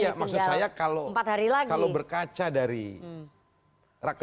iya maksud saya kalau berkaca dari rakenas lima